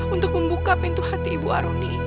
untuk membuka pintu hati ibu aruni